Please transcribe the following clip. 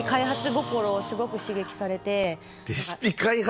心をすごく刺激されてレシピ開発